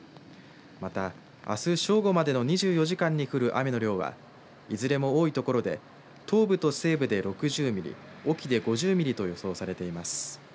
また、あす正午までの２４時間に降る雨の量はいずれも多い所で東部と西部で６０ミリ隠岐で５０ミリと予想されています。